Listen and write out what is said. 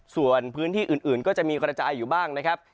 ส่วนพื้นที่อื่นก็จะมีกระจายอยู่บ้างนะครับ